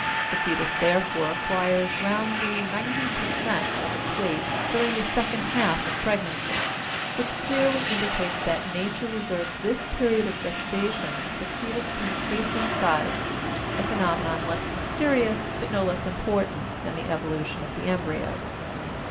The fetus, therefore, acquires roundly ninety per cent, of its weight during the second half of pregnancy, which clearly indicates that Nature reserves this period of gestation for the fetus to increase in size, a phenomenon less mysterious but no less important than the evolution of the embryo.